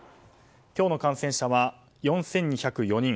今日の感染者は４２０４人。